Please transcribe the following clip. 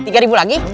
tiga ribu lagi